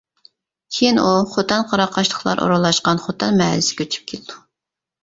كېيىن ئۇ خوتەن قاراقاشلىقلار ئورۇنلاشقان خوتەن مەھەللىسىگە كۆچۈپ كېلىدۇ.